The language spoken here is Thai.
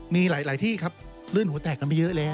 มีหลายที่ครับลื่นหัวแตกกันไปเยอะแล้ว